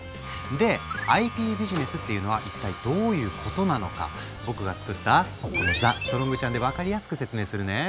でＩＰビジネスっていうのは一体どういうことなのか僕が作ったこのザ・ストロングちゃんで分かりやすく説明するね。